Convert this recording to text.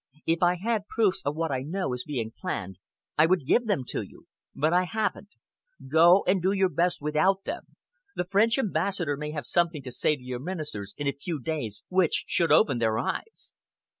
If I had proofs of what I know is being planned, I would give them to you! But I haven't. Go and do your best without them. The French ambassador may have something to say to your ministers in a few days which should open their eyes."